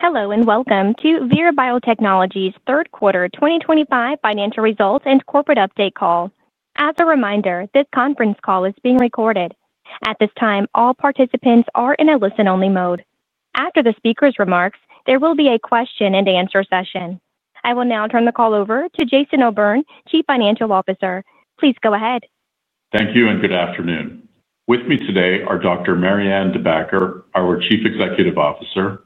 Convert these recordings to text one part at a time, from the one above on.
Hello and welcome to Vir Biotechnology's Third Quarter 2025 Financial Results and Corporate Update Call. As a reminder, this conference call is being recorded. At this time, all participants are in a listen-only mode. After the speaker's remarks, there will be a question-and-answer session. I will now turn the call over to Jason O'Byrne, Chief Financial Officer. Please go ahead. Thank you and good afternoon. With me today are Dr. Marianne De Backer, our Chief Executive Officer,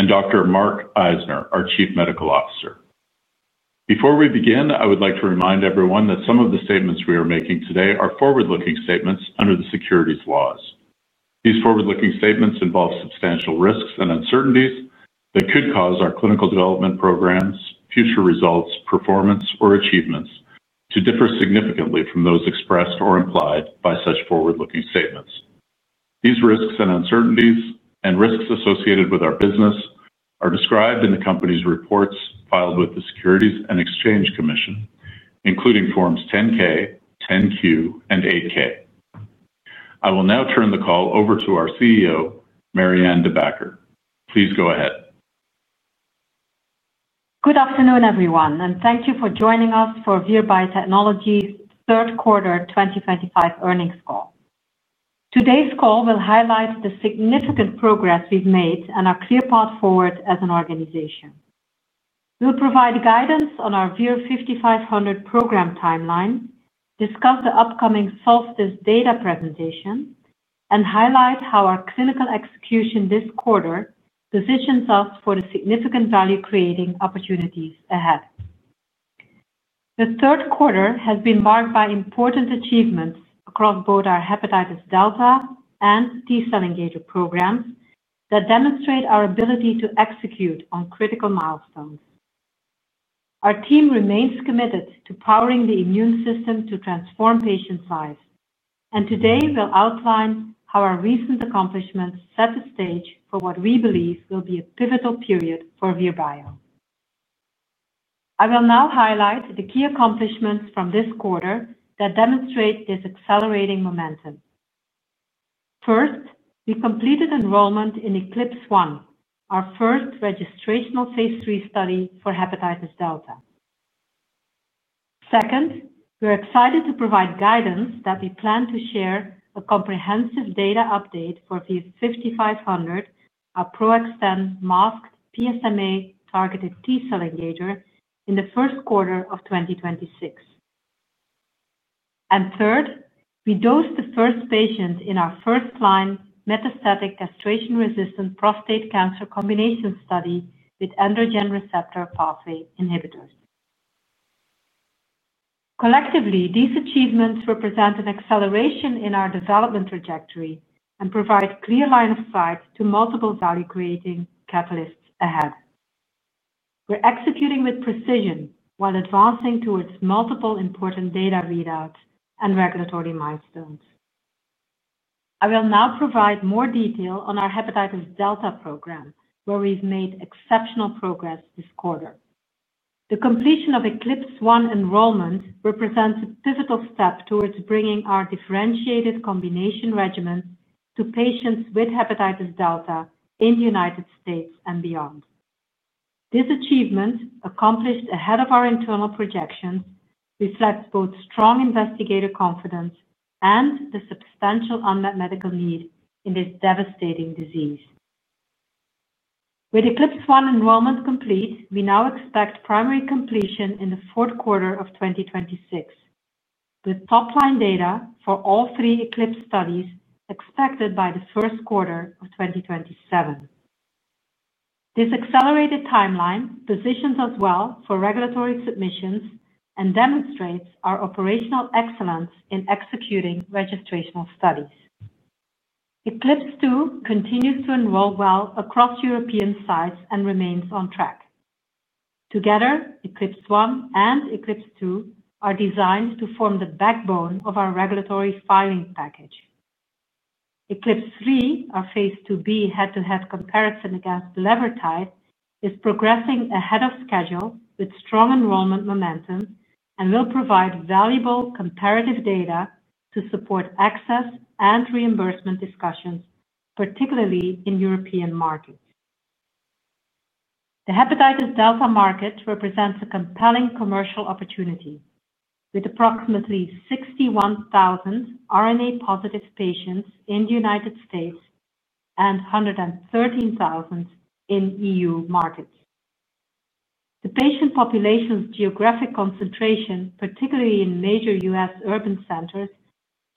and Dr. Mark Eisner, our Chief Medical Officer. Before we begin, I would like to remind everyone that some of the statements we are making today are forward-looking statements under the Securities Laws. These forward-looking statements involve substantial risks and uncertainties that could cause our clinical development programs, future results, performance, or achievements to differ significantly from those expressed or implied by such forward-looking statements. These risks and uncertainties and risks associated with our business are described in the company's reports filed with the Securities and Exchange Commission, including Forms 10-K, 10-Q, and 8-K. I will now turn the call over to our CEO, Marianne De Backer. Please go ahead. Good afternoon, everyone, and thank you for joining us for Vir Biotechnology's Third Quarter 2025 Earnings Call. Today's call will highlight the significant progress we've made and our clear path forward as an organization. We'll provide guidance on our VIR-5500 program timeline, discuss the upcoming Software Data resentation, and highlight how our clinical execution this quarter positions us for the significant value-creating opportunities ahead. The third quarter has been marked by important achievements across both our hepatitis delta and T-cell engager program that demonstrate our ability to execute on critical milestones. Our team remains committed to powering the immune system to transform patients' lives, and today we'll outline how our recent accomplishments set the stage for what we believe will be a pivotal period for Vir. I will now highlight the key accomplishments from this quarter that demonstrate this accelerating momentum. First, we completed enrollment in ECLIPSE 1, our first registrational phase III study for hepatitis delta. Second, we're excited to provide guidance that we plan to share a comprehensive data update for VIR-5500, our PRO-XTEN masked PSMA-targeted T-cell engager, in the first quarter of 2026. Third, we dosed the first patient in our first-line metastatic castration-resistant prostate cancer combination study with androgen receptor pathway inhibitors. Collectively, these achievements represent an acceleration in our development trajectory and provide a clear line of sight to multiple value-creating catalysts ahead. We're executing with precision while advancing towards multiple important data readouts and regulatory milestones. I will now provide more detail on our hepatitis delta program, where we've made exceptional progress this quarter. The completion of ECLIPSE 1 enrollment represents a pivotal step towards bringing our differentiated combination regimens to patients with hepatitis delta in the United States and beyond. This achievement, accomplished ahead of our internal projections, reflects both strong investigator confidence and the substantial unmet medical need in this devastating disease. With ECLIPSE 1 enrollment complete, we now expect primary completion in the fourth quarter of 2026, with top-line data for all three ECLIPSE studies expected by the first quarter of 2027. This accelerated timeline positions us well for regulatory submissions and demonstrates our operational excellence in executing registrational studies. ECLIPSE 2 continues to enroll well across European sites and remains on track. Together, ECLIPSE 1 and ECLIPSE 2 are designed to form the backbone of our regulatory filing package. ECLIPSE 3, our phase II-B head-to-head comparison against bulevirtide, is progressing ahead of schedule with strong enrollment momentum and will provide valuable comparative data to support access and reimbursement discussions, particularly in European markets. The hepatitis delta market represents a compelling commercial opportunity, with approximately 61,000 RNA-positive patients in the United States and 113,000 in EU markets. The patient population's geographic concentration, particularly in major U.S. urban centers,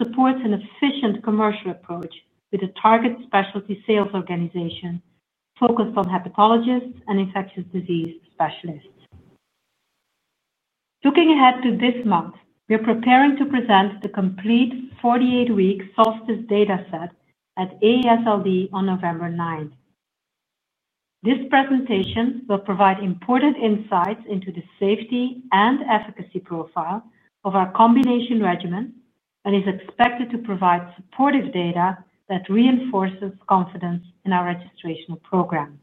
supports an efficient commercial approach with a target specialty sales organization focused on hepatologists and infectious disease specialists. Looking ahead to this month, we're preparing to present the complete 48-week SOLSTICE data set at AASLD on November 9. This presentation will provide important insights into the safety and efficacy profile of our combination regimen and is expected to provide supportive data that reinforces confidence in our registrational program.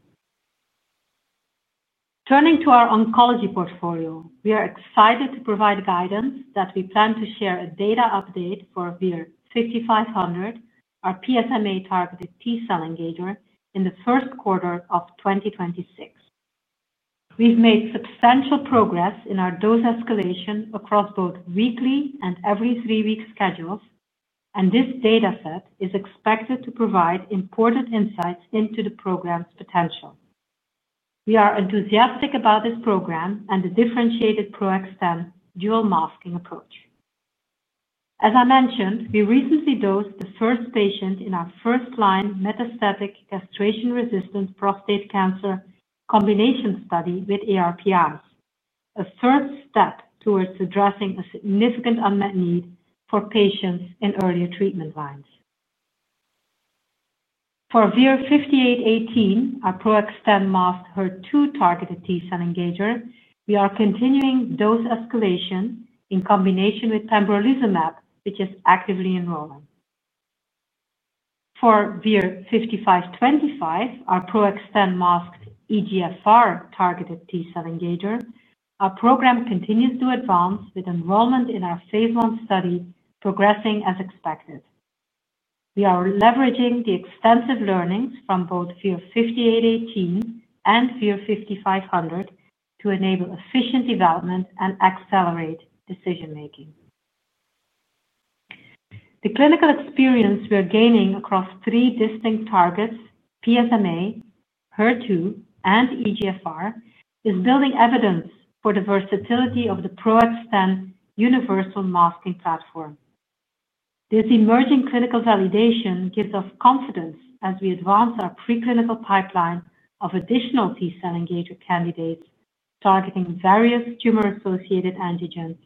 Turning to our oncology portfolio, we are excited to provide guidance that we plan to share a data update for VIR-5500, our PSMA-targeted T-cell engager, in the first quarter of 2026. We've made substantial progress in our dose escalation across both weekly and every three-week schedules, and this data set is expected to provide important insights into the program's potential. We are enthusiastic about this program and the differentiated PRO-XTEN dual-masking approach. As I mentioned, we recently dosed the first patient in our first-line metastatic castration-resistant prostate cancer combination study with ARPIs, a third step towards addressing a significant unmet need for patients in earlier treatment lines. For VIR-5818, our PRO-XTEN masked HER2-targeted T-cell engager, we are continuing dose escalation in combination with pembrolizumab, which is actively enrolling. For VIR-5525, our PRO-XTEN masked EGFR-targeted T-cell engager, our program continues to advance with enrollment in our phase I study progressing as expected. We are leveraging the extensive learnings from both VIR-5818 and VIR-5500 to enable efficient development and accelerate decision-making. The clinical experience we are gaining across three distinct targets, PSMA, HER2, and EGFR, is building evidence for the versatility of the PRO-XTEN universal masking platform. This emerging clinical validation gives us confidence as we advance our preclinical pipeline of additional T-cell engager candidates targeting various tumor-associated antigens,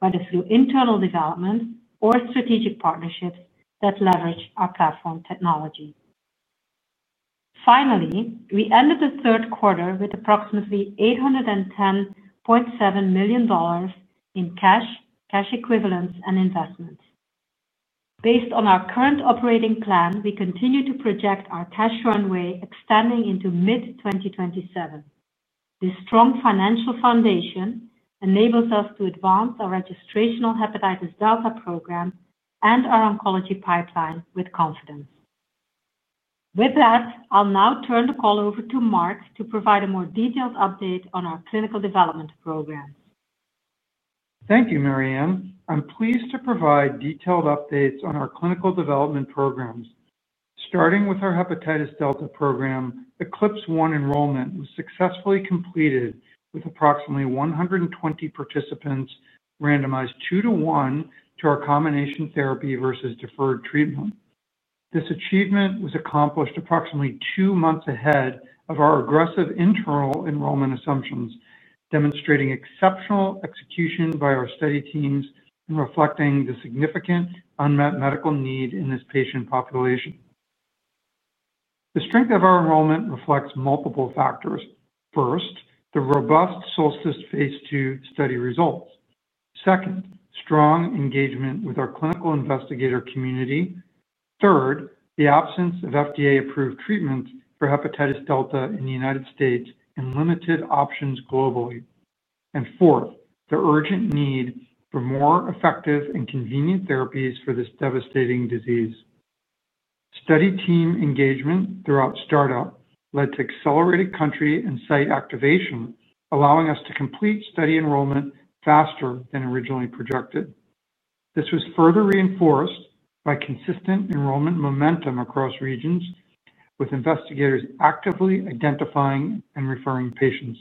whether through internal development or strategic partnerships that leverage our platform technology. Finally, we ended the third quarter with approximately $810.7 million in cash, cash equivalents, and investments. Based on our current operating plan, we continue to project our cash runway extending into mid-2027. This strong financial foundation enables us to advance our registrational hepatitis delta program and our oncology pipeline with confidence. With that, I'll now turn the call over to Mark to provide a more detailed update on our clinical development programs. Thank you, Marianne. I'm pleased to provide detailed updates on our clinical development programs. Starting with our hepatitis delta program, ECLIPSE 1 enrollment was successfully completed with approximately 120 participants randomized two-to-one to our combination therapy versus deferred treatment. This achievement was accomplished approximately two months ahead of our aggressive internal enrollment assumptions, demonstrating exceptional execution by our study teams and reflecting the significant unmet medical need in this patient population. The strength of our enrollment reflects multiple factors. First, the robust SOLSTICE phase II study results. Second, strong engagement with our clinical investigator community. Third, the absence of FDA-approved treatments for hepatitis delta in the United States and limited options globally. Fourth, the urgent need for more effective and convenient therapies for this devastating disease. Study team engagement throughout startup led to accelerated country and site activation, allowing us to complete study enrollment faster than originally projected. This was further reinforced by consistent enrollment momentum across regions, with investigators actively identifying and referring patients.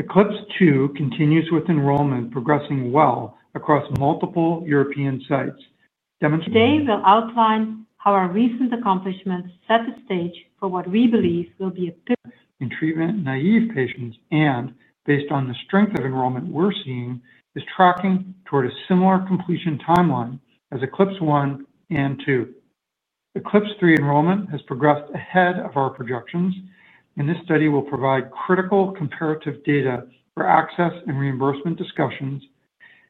ECLIPSE 2 continues with enrollment progressing well across multiple European sites. Today, we'll outline how our recent accomplishments set the stage for what we believe will be a pivotal pivot- -in treatment in naïve patients, and based on the strength of enrollment we're seeing, is tracking toward a similar completion timeline as ECLIPSE 1 and ECLIPSE 2. ECLIPSE 3 enrollment has progressed ahead of our projections, and this study will provide critical comparative data for access and reimbursement discussions,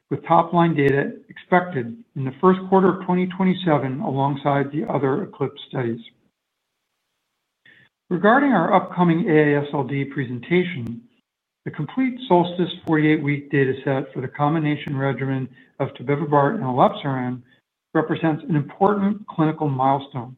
with top-line data expected in the first quarter of 2027 alongside the other ECLIPSE studies. Regarding our upcoming AASLD presentation, the complete SOLSTICE 48-week data set for the combination regimen of tobevibart and elebsiran represents an important clinical milestone.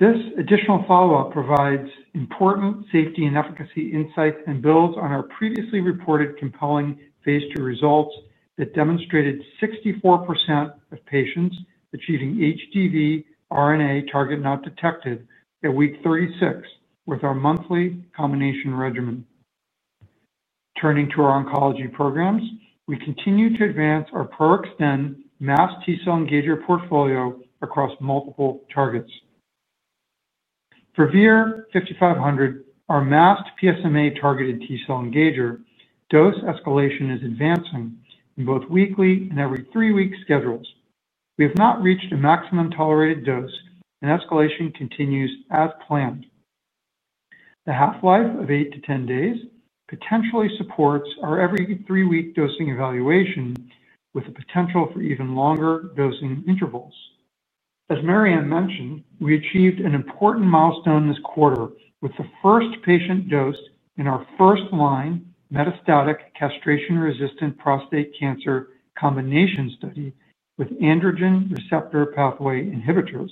This additional follow-up provides important safety and efficacy insights and builds on our previously reported compelling phase II results that demonstrated 64% of patients achieving HDV RNA target not detected at week 36 with our monthly combination regimen. Turning to our oncology programs, we continue to advance our PRO-XTEN masked T-cell engager portfolio across multiple targets. For VIR-5500, our masked PSMA-targeted T-cell engager dose escalation is advancing in both weekly and every three-week schedules. We have not reached a maximum tolerated dose, and escalation continues as planned. The half-life of eight to ten days potentially supports our every three-week dosing evaluation, with the potential for even longer dosing intervals. As Marianne mentioned, we achieved an important milestone this quarter with the first patient dosed in our first-line metastatic castration-resistant prostate cancer combination study with androgen receptor pathway inhibitors.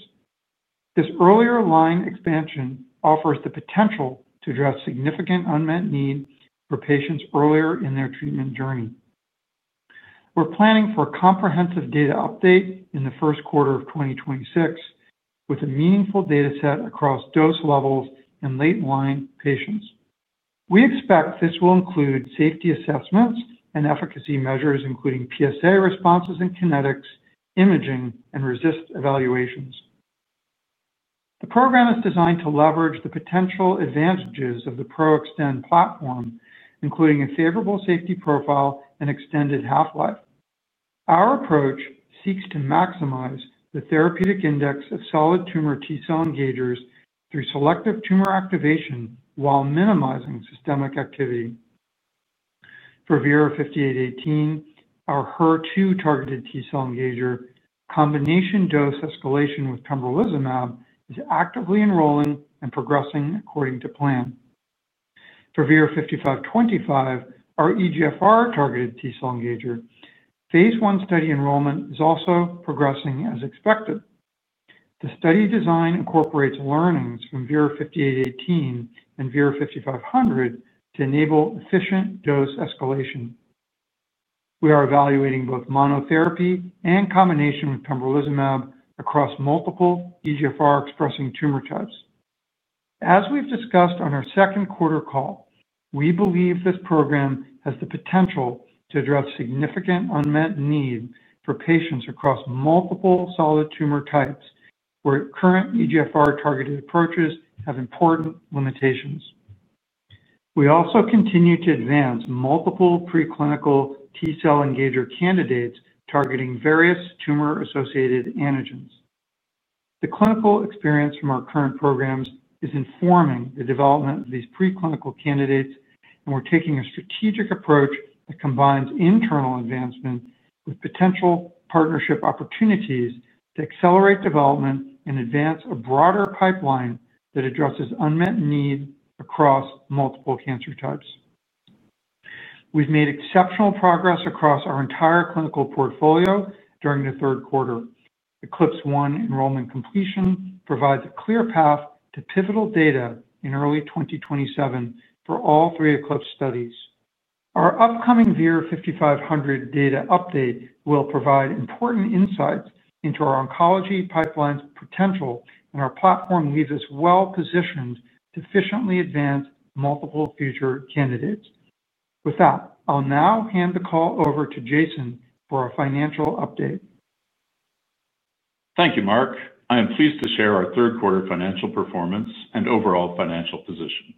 This earlier line expansion offers the potential to address significant unmet need for patients earlier in their treatment journey. We're planning for a comprehensive data update in the first quarter of 2026, with a meaningful data set across dose levels and late-line patients. We expect this will include safety assessments and efficacy measures, including PSA responses and kinetics, imaging, and RECIST evaluations. The program is designed to leverage the potential advantages of the PRO-XTEN platform, including a favorable safety profile and extended half-life. Our approach seeks to maximize the therapeutic index of solid tumor T-cell engagers through selective tumor activation while minimizing systemic activity. For VIR-5818, our HER2-targeted T-cell engager combination dose escalation with pembrolizumab is actively enrolling and progressing according to plan. For VIR-5525, our EGFR-targeted T-cell engager phase I study enrollment is also progressing as expected. The study design incorporates learnings from VIR-5818 and VIR-5500 to enable efficient dose escalation. We are evaluating both monotherapy and combination with pembrolizumab across multiple EGFR-expressing tumor types. As we've discussed on our second quarter call, we believe this program has the potential to address significant unmet need for patients across multiple solid tumor types, where current EGFR-targeted approaches have important limitations. We also continue to advance multiple preclinical T-cell engager candidates targeting various tumor-associated antigens. The clinical experience from our current programs is informing the development of these preclinical candidates, and we're taking a strategic approach that combines internal advancement with potential partnership opportunities to accelerate development and advance a broader pipeline that addresses unmet need across multiple cancer types. We've made exceptional progress across our entire clinical portfolio during the third quarter. ECLIPSE 1 enrollment completion provides a clear path to pivotal data in early 2027 for all three ECLIPSE studies. Our upcoming VIR-5500 data update will provide important insights into our oncology pipeline's potential, and our platform leaves us well-positioned to efficiently advance multiple future candidates. With that, I'll now hand the call over to Jason for our financial update. Thank you, Mark. I am pleased to share our third-quarter financial performance and overall financial position.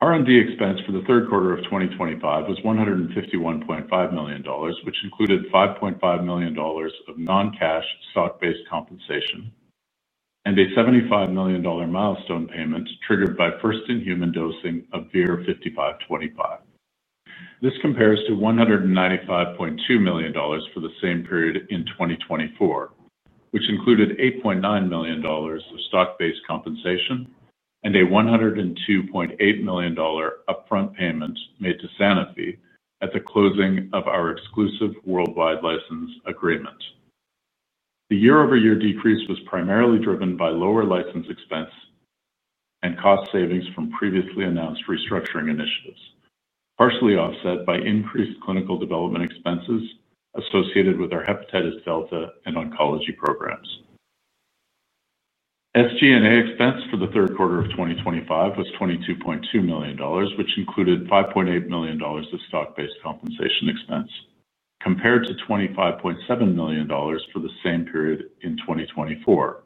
R&D expense for the third quarter of 2025 was $151.5 million, which included $5.5 million of non-cash stock-based compensation and a $75 million milestone payment triggered by first-in-human dosing of VIR-5525. This compares to $195.2 million for the same period in 2024, which included $8.9 million of stock-based compensation and a $102.8 million upfront payment made to Sanofi at the closing of our exclusive worldwide license agreement. The year-over-year decrease was primarily driven by lower license expense. Cost savings from previously announced restructuring initiatives, partially offset by increased clinical development expenses associated with our hepatitis delta and oncology programs. SG&A expense for the third quarter of 2025 was $22.2 million, which included $5.8 million of stock-based compensation expense, compared to $25.7 million for the same period in 2024,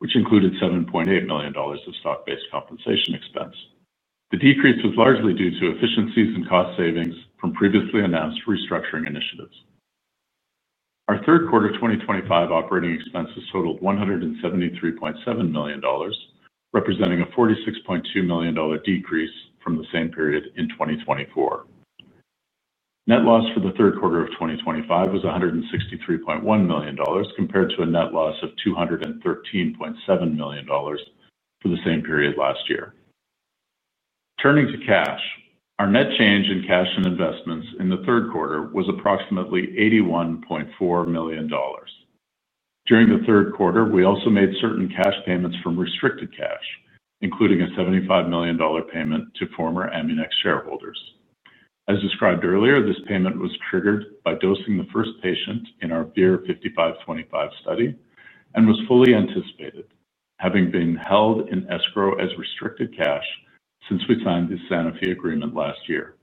which included $7.8 million of stock-based compensation expense. The decrease was largely due to efficiencies and cost savings from previously announced restructuring initiatives. Our third quarter 2025 operating expenses totaled $173.7 million, representing a $46.2 million decrease from the same period in 2024. Net loss for the third quarter of 2025 was $163.1 million, compared to a net loss of $213.7 million for the same period last year. Turning to cash, our net change in cash and investments in the third quarter was approximately $81.4 million. During the third quarter, we also made certain cash payments from restricted cash, including a $75 million payment to former Amunix shareholders. As described earlier, this payment was triggered by dosing the first patient in our VIR-5525 study and was fully anticipated, having been held in escrow as restricted cash since we signed the Sanofi agreement last year.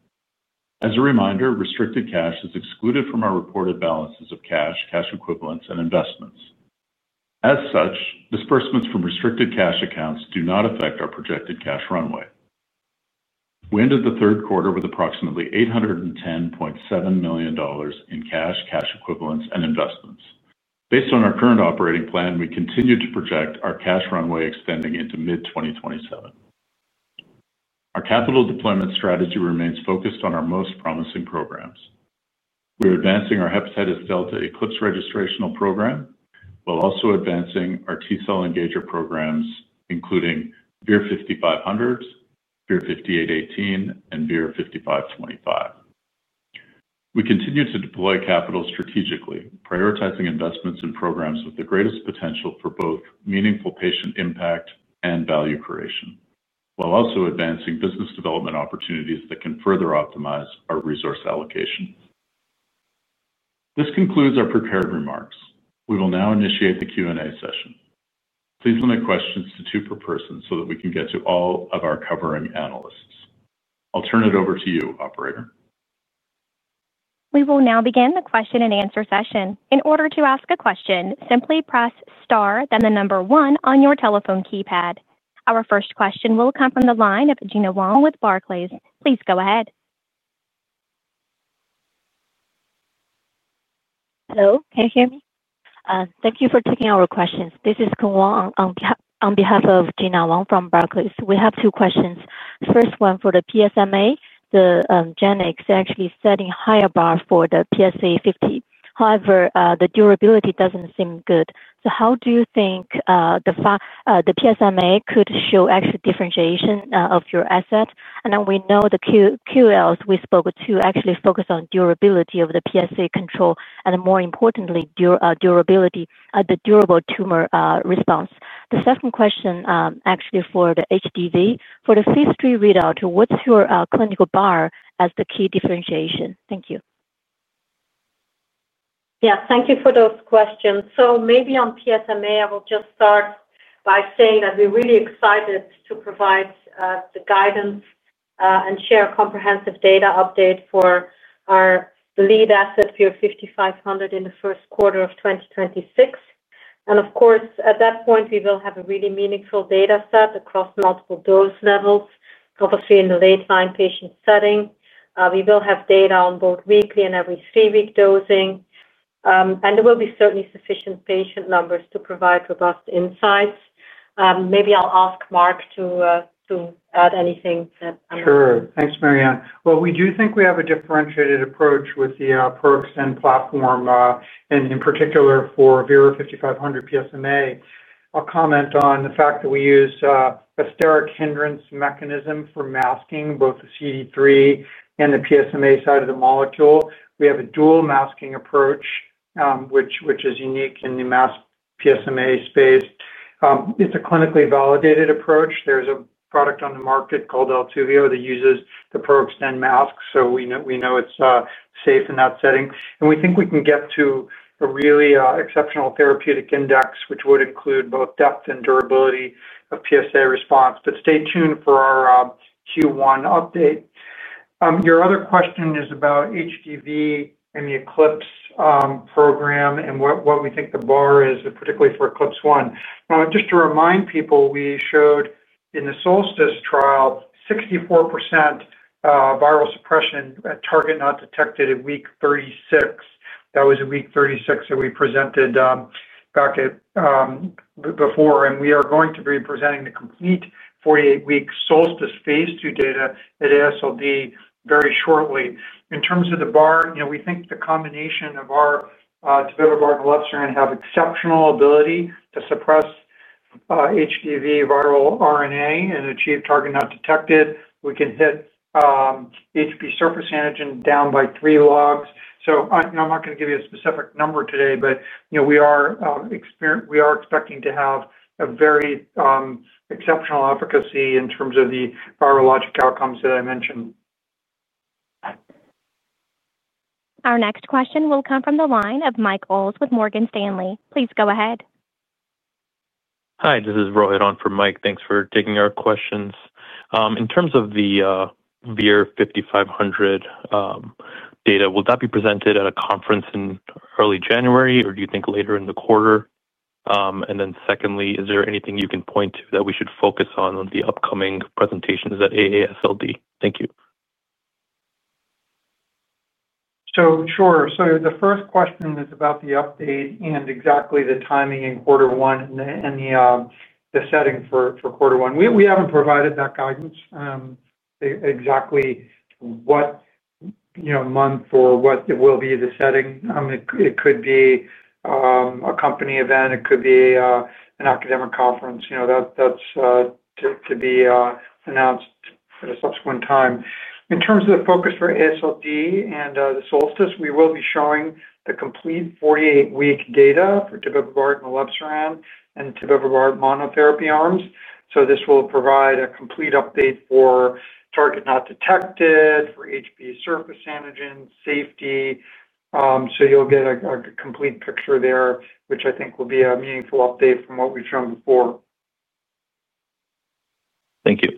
As a reminder, restricted cash is excluded from our reported balances of cash, cash equivalents, and investments. As such, disbursements from restricted cash accounts do not affect our projected cash runway. We ended the third quarter with approximately $810.7 million in cash, cash equivalents, and investments. Based on our current operating plan, we continue to project our cash runway extending into mid-2027. Our capital deployment strategy remains focused on our most promising programs. We are advancing our hepatitis delta ECLIPSE registrational program while also advancing our T-cell engager programs, including VIR-5500, VIR-5818, and VIR-5525. We continue to deploy capital strategically, prioritizing investments in programs with the greatest potential for both meaningful patient impact and value creation, while also advancing business development opportunities that can further optimize our resource allocation. This concludes our prepared remarks. We will now initiate the Q&A session. Please limit questions to two per person so that we can get to all of our covering analysts. I'll turn it over to you, Operator. We will now begin the question-and-answer session. In order to ask a question, simply press star, then the number one on your telephone keypad. Our first question will come from the line of Gena Wang with Barclays. Please go ahead. Hello. Can you hear me? Thank you for taking our questions. This is [Kwan] on behalf of Gena Wang from Barclays. We have two questions. First one for the PSMA, the GenX actually setting higher bar for the PSA 50. However, the durability does not seem good. How do you think the PSMA could show actual differentiation of your asset? We know the KOLs we spoke to actually focus on durability of the PSA control and, more importantly, durability, the durable tumor response. The second question actually for the HDV. For the phase III readout, what is your clinical bar as the key differentiation? Thank you. Yeah, thank you for those questions. Maybe on PSMA, I will just start by saying that we're really excited to provide the guidance and share a comprehensive data update for our lead asset, VIR-5500, in the first quarter of 2026. Of course, at that point, we will have a really meaningful data set across multiple dose levels, obviously in the late-line patient setting. We will have data on both weekly and every three-week dosing. There will be certainly sufficient patient numbers to provide robust insights. Maybe I'll ask Mark to add anything. Sure. Thanks, Marianne. We do think we have a differentiated approach with the PRO-XTEN platform. In particular for VIR-5500 PSMA, I'll comment on the fact that we use a steric hindrance mechanism for masking both the CD3 and the PSMA side of the molecule. We have a dual masking approach, which is unique in the masked PSMA space. It's a clinically validated approach. There's a product on the market called ALTUVIIIO that uses the PRO-XTEN mask, so we know it's safe in that setting. We think we can get to a really exceptional therapeutic index, which would include both depth and durability of PSA response. Stay tuned for our Q1 update. Your other question is about HDV and the ECLIPSE program and what we think the bar is, particularly for ECLIPSE 1. Just to remind people, we showed in the SOLSTICE trial, 64%. Viral suppression at target not detected at week 36. That was at week 36 that we presented. Before. And we are going to be presenting the complete 48-week SOLSTICE phase II data at AASLD very shortly. In terms of the bar, we think the combination of our tobevibart and the elebsiran have exceptional ability to suppress HDV viral RNA and achieve target not detected. We can hit HB surface antigen down by three logs. I'm not going to give you a specific number today, but we are expecting to have a very exceptional efficacy in terms of the virologic outcomes that I mentioned. Our next question will come from the line of Mike Oles with Morgan Stanley. Please go ahead. Hi, this is [Rohit] On from Mike. Thanks for taking our questions. In terms of the VIR-5500 data, will that be presented at a conference in early January, or do you think later in the quarter? Secondly, is there anything you can point to that we should focus on on the upcoming presentations at AASLD? Thank you. Sure. The first question is about the update and exactly the timing in quarter one and the setting for quarter one. We haven't provided that guidance exactly, what month or what it will be, the setting. It could be a company event, it could be an academic conference. That's to be announced at a subsequent time. In terms of the focus for ASLD and the SOLSTICE, we will be showing the complete 48-week data for tobevibart and elebsiran and tobevibart monotherapy arms. This will provide a complete update for target not detected, for HB surface antigen, safety. You'll get a complete picture there, which I think will be a meaningful update from what we've shown before. Thank you.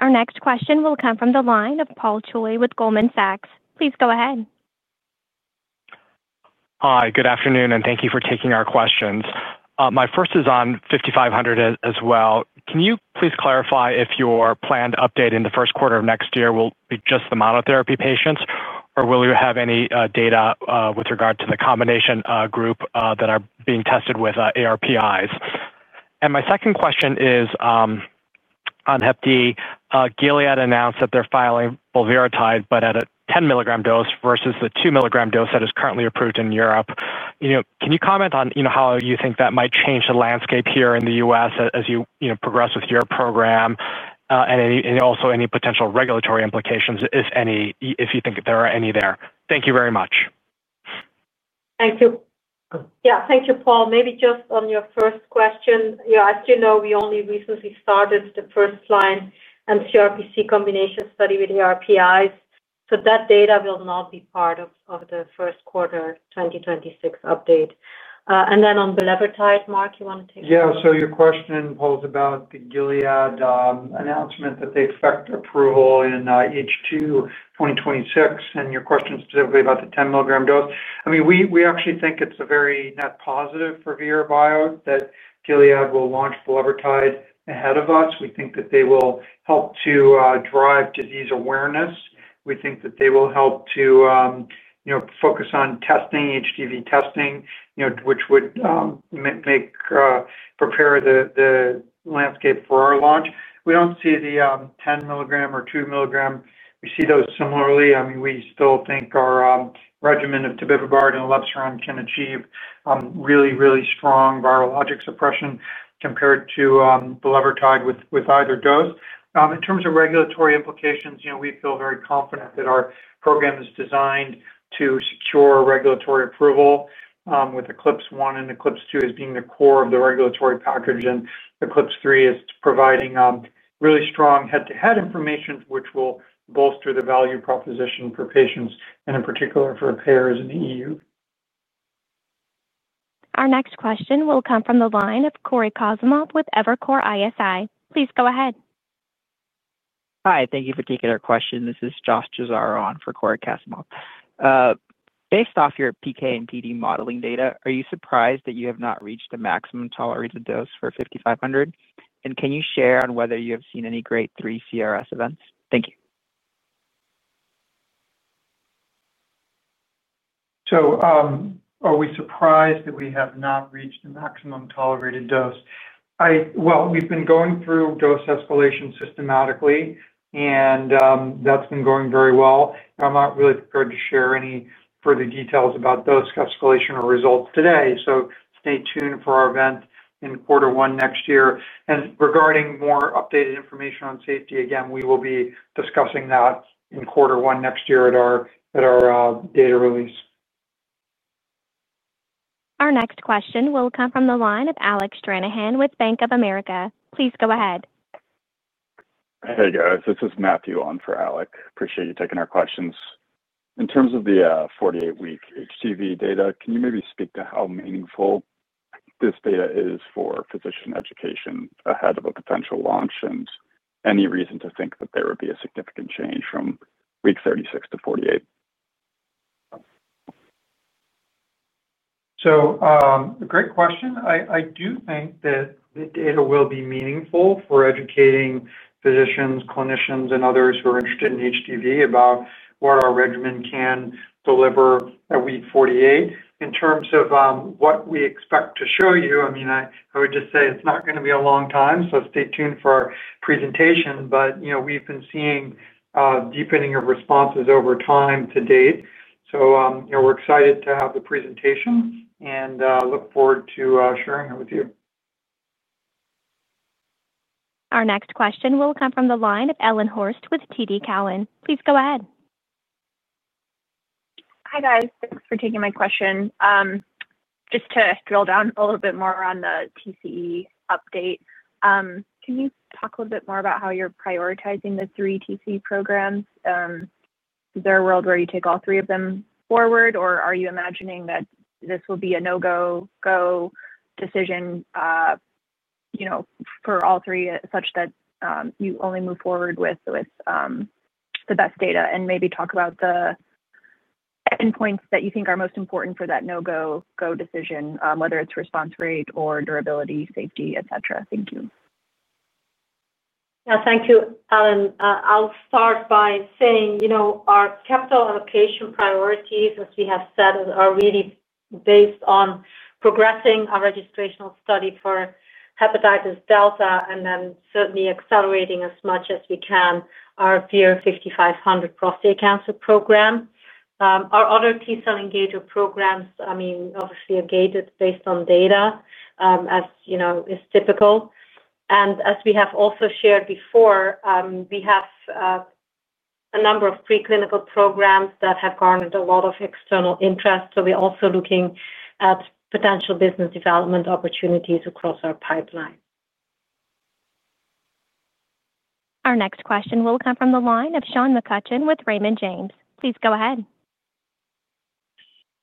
Our next question will come from the line of Paul Choi with Goldman Sachs. Please go ahead. Hi, good afternoon, and thank you for taking our questions. My first is on 5500 as well. Can you please clarify if your planned update in the first quarter of next year will be just the monotherapy patients, or will you have any data with regard to the combination group that are being tested with ARPIs? My second question is on Hep D. Gilead announced that they're filing bulevirtide but at a 10 mg dose versus the 2 mg dose that is currently approved in Europe. Can you comment on how you think that might change the landscape here in the U.S. as you progress with your program, and also any potential regulatory implications, if any, if you think there are any there? Thank you very much. Thank you. Yeah, thank you, Paul. Maybe just on your first question, as you know, we only recently started the first line mCRPC combination study with ARPIs. That data will not be part of the first quarter 2026 update. On the bulevirtide, Mark, you want to take that? Yeah. So your question, Paul, is about the Gilead announcement that they expect approval in H2 2026 and your question specifically about the 10 mg dose. I mean, we actually think it's a very net positive for Vir Bio that Gilead will launch bulevirtide ahead of us. We think that they will help to drive disease awareness. We think that they will help to focus on testing, HDV testing, which would prepare the landscape for our launch. We don't see the 10 mg or 2 mg. We see those similarly. I mean, we still think our regimen of tobevibart and elebsiran can achieve really, really strong virologic suppression compared to the bulevirtide with either dose. In terms of regulatory implications, we feel very confident that our program is designed to secure regulatory approval with ECLIPSE 1 and ECLIPSE 2 as being the core of the regulatory package, and ECLIPSE 3 is providing really strong head-to-head information, which will bolster the value proposition for patients and, in particular, for payers in the EU. Our next question will come from the line of Cory Kasimov with Evercore ISI. Please go ahead. Hi. Thank you for taking our question. This is Josh Chazaro on for Corey Kosimov. Based off your PK and PD modeling data, are you surprised that you have not reached a maximum tolerated dose for 5500? Can you share on whether you have seen any grade 3 CRS events? Thank you. Are we surprised that we have not reached a maximum tolerated dose? We've been going through dose escalation systematically, and that's been going very well. I'm not really prepared to share any further details about dose escalation or results today. Stay tuned for our event in quarter one next year. Regarding more updated information on safety, again, we will be discussing that in quarter one next year at our data release. Our next question will come from the line of Alec Stranahan with Bank of America. Please go ahead. Hey, guys. This is Matthew on for Alec. Appreciate you taking our questions. In terms of the 48-week HDV data, can you maybe speak to how meaningful this data is for physician education ahead of a potential launch and any reason to think that there would be a significant change from week 36-48? Great question. I do think that the data will be meaningful for educating physicians, clinicians, and others who are interested in HDV about what our regimen can deliver at week 48. In terms of what we expect to show you, I mean, I would just say it's not going to be a long time, so stay tuned for our presentation. But we've been seeing a deepening of responses over time to date. So we're excited to have the presentation and look forward to sharing it with you. Our next question will come from the line of Ellen Horste with TD Cowen. Please go ahead. Hi, guys. Thanks for taking my question. Just to drill down a little bit more on the TCE update, can you talk a little bit more about how you're prioritizing the three TCE programs? Is there a world where you take all three of them forward, or are you imagining that this will be a no-go decision for all three such that you only move forward with the best data and maybe talk about the endpoints that you think are most important for that no-go decision, whether it's response rate or durability, safety, etc.? Thank you. Yeah, thank you, Ellen. I'll start by saying our capital allocation priorities, as we have said, are really based on progressing our registrational study for hepatitis delta and then certainly accelerating as much as we can our VIR-5500 prostate cancer program. Our other T-cell engager programs, I mean, obviously are gated based on data, as is typical. As we have also shared before, we have a number of preclinical programs that have garnered a lot of external interest. We are also looking at potential business development opportunities across our pipeline. Our next question will come from the line of Sean McCutcheon with Raymond James. Please go ahead.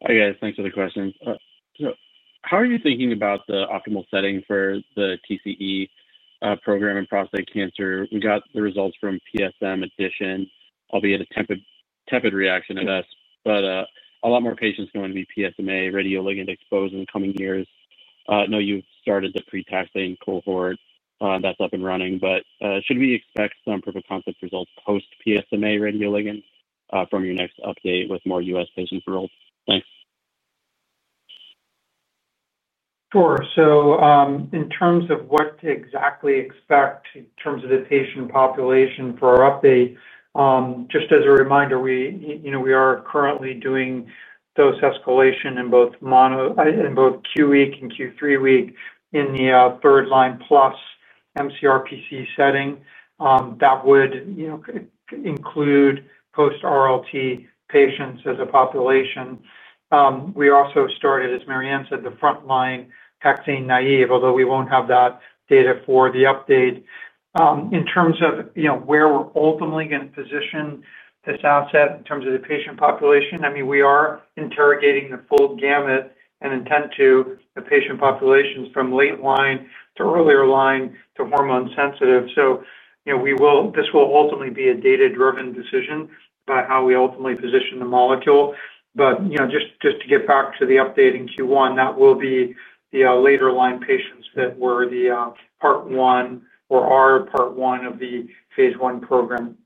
Hi, guys. Thanks for the question. How are you thinking about the optimal setting for the TCE program in prostate cancer? We got the results from PSMA addition, albeit a tepid reaction at U.S., but a lot more patients are going to be PSMA radioligand exposed in the coming years. I know you've started the pre-taxane cohort that's up and running, but should we expect some proof of concept results post-PSMA radioligand from your next update with more U.S. patients enrolled? Thanks. Sure. In terms of what to exactly expect in terms of the patient population for our update, just as a reminder, we are currently doing dose escalation in both Q week and Q3 week in the third line plus mCRPC setting. That would include post-RLT patients as a population. We also started, as Marianne said, the front line taxane naïve, although we won't have that data for the update. In terms of where we're ultimately going to position this asset in terms of the patient population, I mean, we are interrogating the full gamut and intend to. The patient populations from late line to earlier line to hormone sensitive. This will ultimately be a data-driven decision about how we ultimately position the molecule. Just to get back to the updating Q1, that will be the later line patients that were the part one or are part one of the phase I program.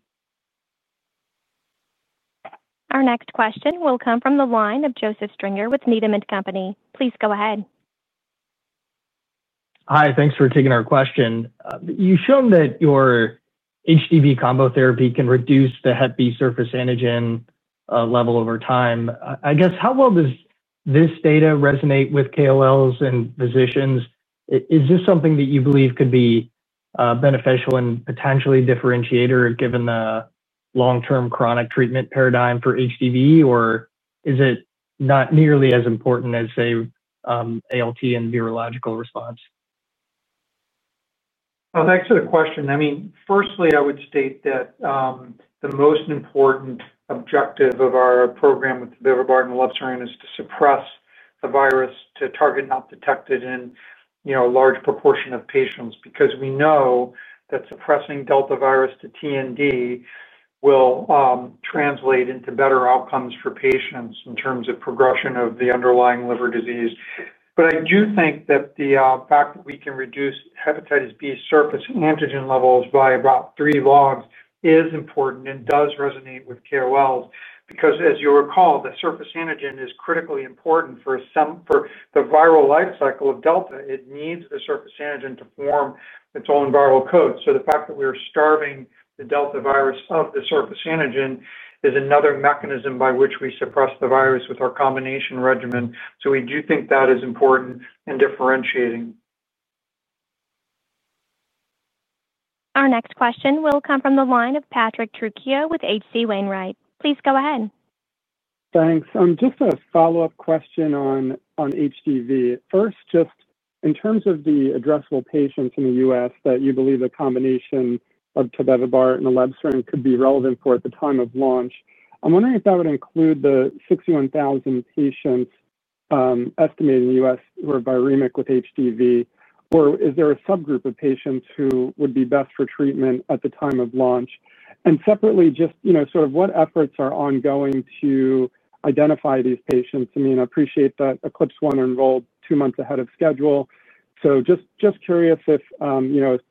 Our next question will come from the line of Joseph Stringer with Needham & Company. Please go ahead. Hi. Thanks for taking our question. You've shown that your HDV combo therapy can reduce the hep B surface antigen level over time. I guess how well does this data resonate with KOLs and physicians? Is this something that you believe could be beneficial and potentially differentiator given the long-term chronic treatment paradigm for HDV, or is it not nearly as important as, say, ALT and virological response? Thanks for the question. I mean, firstly, I would state that the most important objective of our program with tovevibart and elebsiran is to suppress the virus to target not detected in a large proportion of patients because we know that suppressing delta virus to TND will translate into better outcomes for patients in terms of progression of the underlying liver disease. I do think that the fact that we can reduce hepatitis B surface antigen levels by about three logs is important and does resonate with KOLs because, as you'll recall, the surface antigen is critically important for the viral life cycle of delta. It needs the surface antigen to form its own viral coat. The fact that we are starving the delta virus of the surface antigen is another mechanism by which we suppress the virus with our combination regimen. We do think that is important in differentiating. Our next question will come from the line of Patrick Trucchio with H.C. Wainwright. Please go ahead. Thanks. Just a follow-up question on HDV. First, just in terms of the addressable patients in the U.S. that you believe the combination of tobevibart and elebsiran could be relevant for at the time of launch, I'm wondering if that would include the 61,000 patients estimated in the U.S. who are viremic with HDV, or is there a subgroup of patients who would be best for treatment at the time of launch? Separately, just sort of what efforts are ongoing to identify these patients? I mean, I appreciate that ECLIPSE 1 enrolled two months ahead of schedule. Just curious if,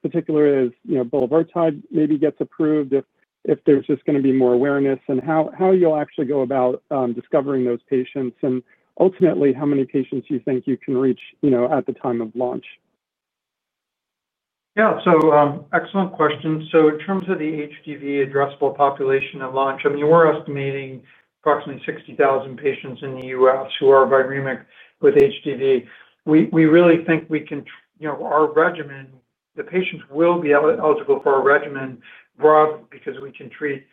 particularly as bulevirtide maybe gets approved, if there's just going to be more awareness and how you'll actually go about discovering those patients and ultimately how many patients you think you can reach at the time of launch. Yeah. Excellent question. In terms of the HDV addressable population at launch, I mean, we're estimating approximately 61,000 patients in the U.S. who are viremic with HDV. We really think our regimen, the patients will be eligible for our regimen broadly because we can treat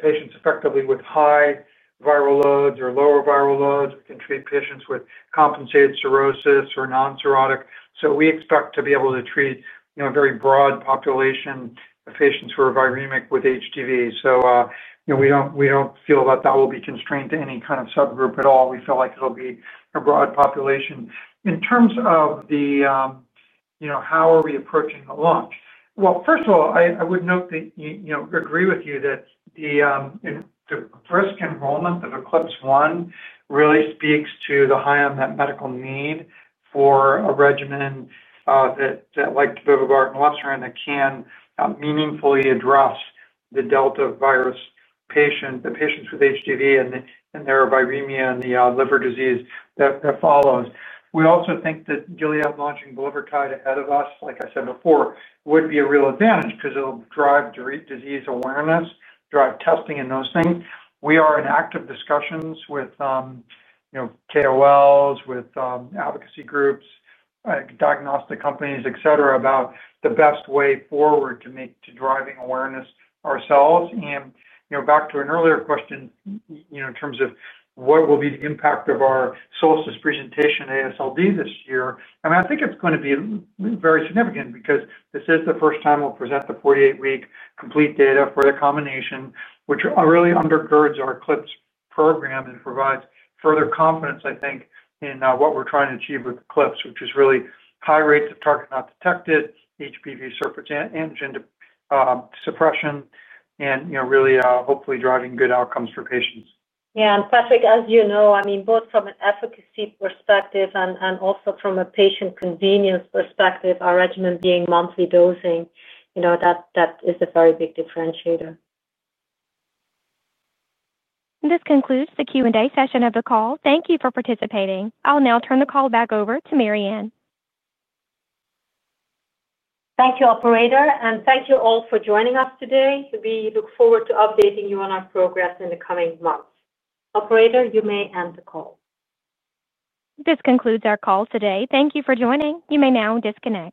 patients effectively with high viral loads or lower viral loads. We can treat patients with compensated cirrhosis or non-cirrhotic. We expect to be able to treat a very broad population of patients who are viremic with HDV. We don't feel that that will be constrained to any kind of subgroup at all. We feel like it'll be a broad population. In terms of how are we approaching the launch, first of all, I would note that I agree with you that the rapid enrollment of ECLIPSE 1 really speaks to the high unmet medical need for a regimen. That like tovevibart and elebsiran that can meaningfully address the delta virus patient, the patients with HDV and their viremia and the liver disease that follows. We also think that Gilead launching bulevirtide ahead of us, like I said before, would be a real advantage because it'll drive disease awareness, drive testing, and those things. We are in active discussions with KOLs, with advocacy groups, diagnostic companies, etc., about the best way forward to driving awareness ourselves. Back to an earlier question in terms of what will be the impact of our SOLSTICE presentation at AASLD this year, I mean, I think it's going to be very significant because this is the first time we'll present the 48-week complete data for the combination, which really undergirds our ECLIPSE program and provides further confidence, I think, in what we're trying to achieve with ECLIPSE, which is really high rates of target not detected, HB surface antigen suppression, and really hopefully driving good outcomes for patients. Yeah. Patrick, as you know, I mean, both from an advocacy perspective and also from a patient convenience perspective, our regimen being monthly dosing, that is a very big differentiator. This concludes the Q&A session of the call. Thank you for participating. I'll now turn the call back over to Marianne. Thank you, Operator. Thank you all for joining us today. We look forward to updating you on our progress in the coming months. Operator, you may end the call. This concludes our call today. Thank you for joining. You may now disconnect.